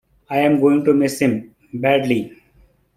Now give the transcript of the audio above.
I'm going to miss him...badly.